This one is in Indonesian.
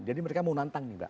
jadi mereka mau nantang nih mbak